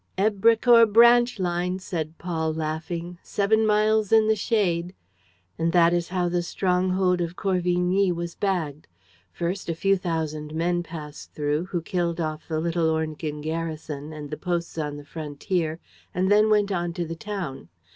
"Èbrecourt branch line," said Paul, laughing. "Seven miles in the shade. And that is how the stronghold of Corvigny was bagged. First, a few thousand men passed through, who killed off the little Ornequin garrison and the posts on the frontier and then went on to the town.